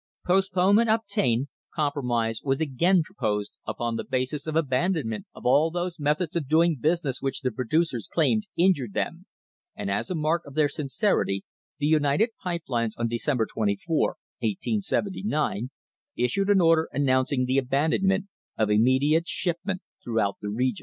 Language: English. Postponement obtained, compromise was again proposed upon the basis of abandonment of all those methods of doing business which the producers claimed in jured them, and as a mark of their sincerity the United Pipe Lines on December 24, 1879, issued an order announcing the abandonment of immediate shipment throughout the region.